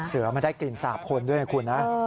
เสือมันได้กลิ่นสาบคนด้วยไงคุณนะ